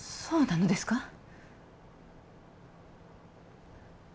そうなのですか！？